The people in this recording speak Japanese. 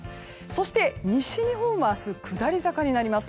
そして、西日本は明日、下り坂になります。